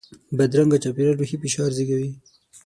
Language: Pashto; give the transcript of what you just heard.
بدرنګه چاپېریال روحي فشار زیږوي